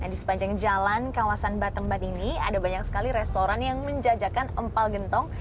di sepanjang jalan kawasan bathembad ini ada banyak sekali restoran yang menjajakan empal gentong